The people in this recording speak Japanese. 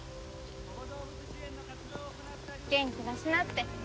元気出しなって。